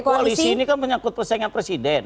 koalisi ini kan menyangkut persaingan presiden